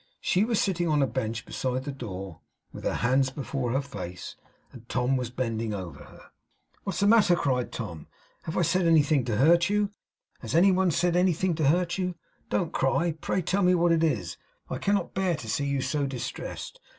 She was sitting on a bench beside the door with her hands before her face; and Tom was bending over her. 'What is the matter?' cried Tom. 'Have I said anything to hurt you? Has any one said anything to hurt you? Don't cry. Pray tell me what it is. I cannot bear to see you so distressed.